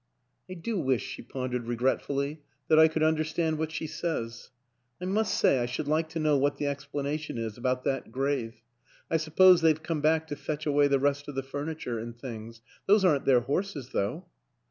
" I do wish," she pondered regretfully, " that I could understand what she says. I must say I should like to know what the explanation is about that grave. ... I suppose they've come back to fetch away the rest of the furniture, and things those aren't their horses, though